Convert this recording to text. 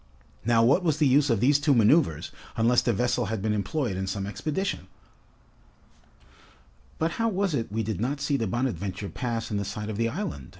Now, what was the use of these two maneuvers, unless the vessel had been employed in some expedition? "But how was it we did not see the 'Bonadventure' pass in the sight of the island?"